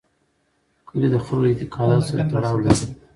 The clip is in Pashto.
کلي د خلکو له اعتقاداتو سره تړاو لري.